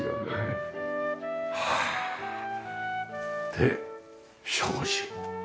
で障子。